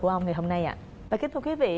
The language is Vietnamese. của ông ngày hôm nay ạ và kính thưa quý vị